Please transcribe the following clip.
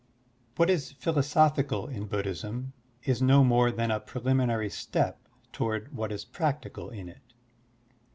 What is philosophical in Buddhism is no more than a preliminary step toward what is practical in it.